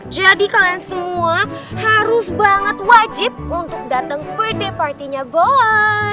jadi kalian semua harus banget wajib untuk dateng birthday partynya boy